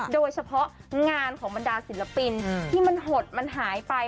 โดยเฉพาะงานของบรรดาศิลปินที่มันหดมันหายไป